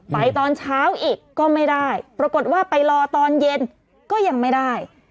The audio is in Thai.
ตอนเช้าอีกก็ไม่ได้ปรากฏว่าไปรอตอนเย็นก็ยังไม่ได้